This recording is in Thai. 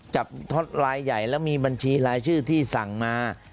ท็อตรายใหญ่แล้วมีบัญชีรายชื่อที่สั่งมา